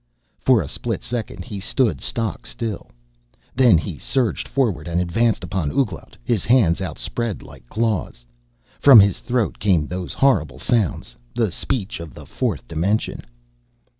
For a split second he stood stock still, then he surged forward and advanced upon Ouglat, his hands outspread like claws. From his throat came those horrible sounds, the speech of the fourth dimension.